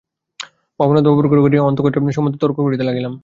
ভবনাথবাবুর ঘরে গিয়া অনন্ত আকাশ সম্বন্ধে তর্ক করিতে লাগিলাম।